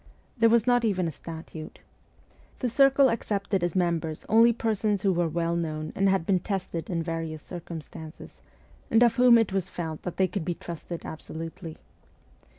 There was not even a statute. The circle accepted as members only persons who were well known and had been tested in various circumstances, and of whom it was felt that they could be trusted absolutely.